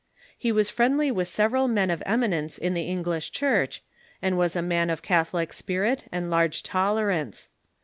He was friendly with several men of eminence in the English Church, and was a man of catholic spirit and large tolerance.